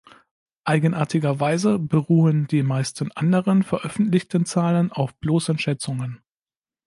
Eigenartigerweise beruhen die meisten anderen veröffentlichten Zahlen auf bloßen Schätzungen.